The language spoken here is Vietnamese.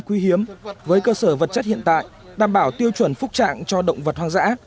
quý hiếm với cơ sở vật chất hiện tại đảm bảo tiêu chuẩn phúc trạng cho động vật hoang dã